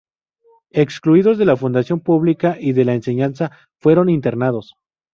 Excluidos de la función pública y de la enseñanza, fueron internados.